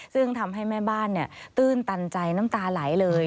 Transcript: ซึ่งทำให้แม่บ้านตื้นตันใจน้ำตาไหลเลย